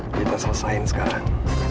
kita selesain sekarang